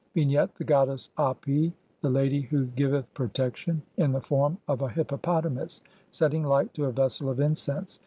] Vignette : The goddess Api, the lady who giveth protection, in the form of a hippopotamus, setting light to a vessel of incense.